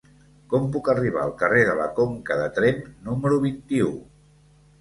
Com puc arribar al carrer de la Conca de Tremp número vint-i-u?